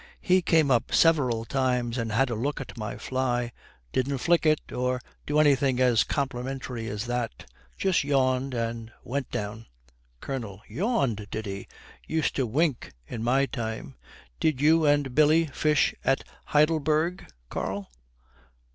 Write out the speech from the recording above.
'He came up several times and had a look at my fly. Didn't flick it, or do anything as complimentary as that. Just yawned and went down.' COLONEL. 'Yawned, did he? Used to wink in my time. Did you and Billy fish at Heidelberg, Karl?'